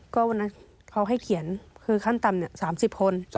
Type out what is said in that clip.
ก็วันนั้นเขาให้เขียนคือขั้นต่ำ๓๐คน